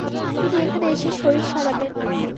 তিনি এখানে এসে শরীর সারাবেন।